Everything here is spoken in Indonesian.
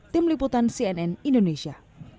tim liputan cnn indonesia